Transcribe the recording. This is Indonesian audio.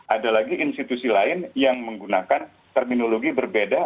ada lagi institusi lain yang menggunakan terminologi berbeda